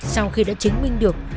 sau khi đã chứng minh được